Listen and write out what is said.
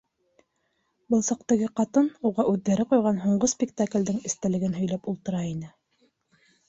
Был саҡ теге ҡатын уға үҙҙәре ҡуйған һуңғы спектаклдең эстәлеген һөйләп ултыра ине.